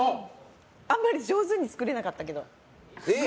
あんまり上手に作れなかったけど。